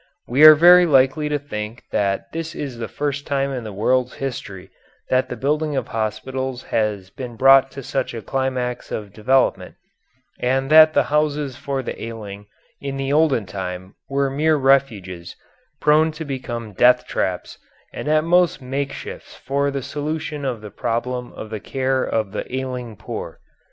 We are very likely to think that this is the first time in the world's history that the building of hospitals has been brought to such a climax of development, and that the houses for the ailing in the olden time were mere refuges, prone to become death traps and at most makeshifts for the solution of the problem of the care of the ailing poor.